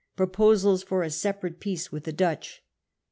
Proposals for a Separate Peace with the Dutch.